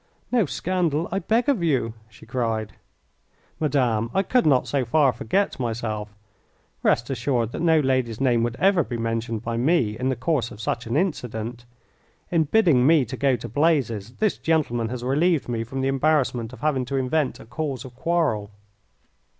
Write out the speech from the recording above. "No scandal, I beg of you," she cried. "Madame, I could not so far forget myself. Rest assured that no lady's name would ever be mentioned by me in the course of such an incident. In bidding me to go to blazes this gentleman has relieved me from the embarrassment of having to invent a cause of quarrel."